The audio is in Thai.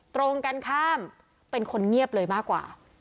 ตรงกันข้ามเป็นคนเงียบเลยมากกว่า